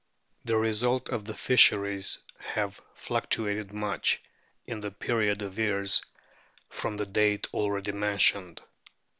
The results of the fisheries have fluctuated much in the period of years from the date already mentioned.